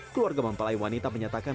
keluarga mempelai wanita menyatakan